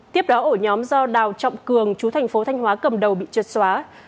tiếp đó ổ nhóm do đào trọng cường chú thành phố thanh hóa cầm đầu bị trượt xóa